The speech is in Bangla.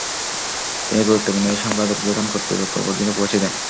তিনি গুরুত্বপূর্ণ এ সংবাদ উর্ধ্বতন কর্তৃপক্ষ পর্যন্ত পৌঁছে দেন।